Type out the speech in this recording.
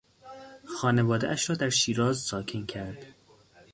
خانوادهاش را در شیراز ساکن کرد.